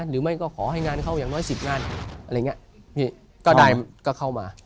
หรือไม่ก็ขอให้งานเข้าอย่างน้อย๑๐งานอะไรอย่างนี้ก็ได้ก็เข้ามา